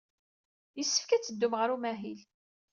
Yessefk ad teddum ɣer umahil.